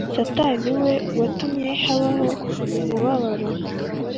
Sataniwe watumye habaho umubabaro